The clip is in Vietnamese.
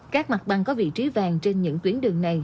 các mặt bằng có vị trí vàng trên những tuyến đường này